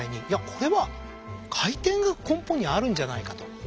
これは回転が根本にあるんじゃないかと。